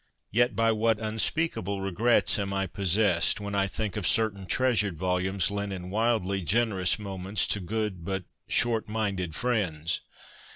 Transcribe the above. Yet by what unspeakable regrets am I possessed when I think of certain treasured volumes lent in wildly generous moments to good but ' short minded ' friends